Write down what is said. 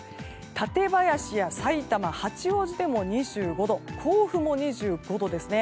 館林やさいたま八王子でも２５度甲府も２５度ですね。